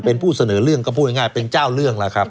เป็นผู้เสนอเรื่องก็พูดง่ายเป็นเจ้าเรื่องแล้วครับ